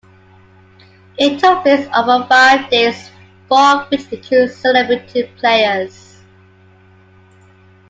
It took place over five days, four of which include celebrity players.